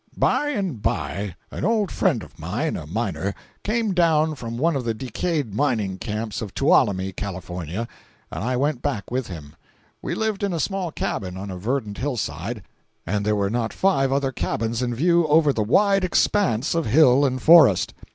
By and by, an old friend of mine, a miner, came down from one of the decayed mining camps of Tuolumne, California, and I went back with him. We lived in a small cabin on a verdant hillside, and there were not five other cabins in view over the wide expanse of hill and forest.